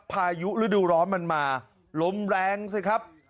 พายุฤดูร้อนมันมาลมแรงสิครับ